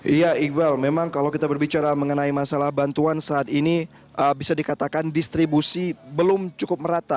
iya iqbal memang kalau kita berbicara mengenai masalah bantuan saat ini bisa dikatakan distribusi belum cukup merata